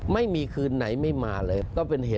ไม่มีคืนไหนไม่มาเลย